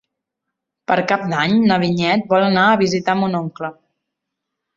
Per Cap d'Any na Vinyet vol anar a visitar mon oncle.